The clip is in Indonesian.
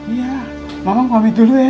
iya mamang pamit dulu ya